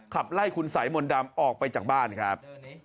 ขับไล่คุณสายมนต์ดำออกไปจากบ้านครับ